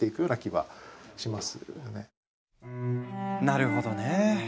なるほどね。